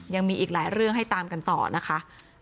ยังมีอีกหลายเรื่องให้ตามกันต่อนะคะ